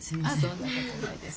そんなことないです。